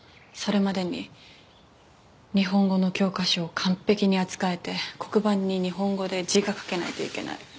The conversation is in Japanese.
それまでに日本語の教科書を完璧に扱えて黒板に日本語で字が書けないといけない。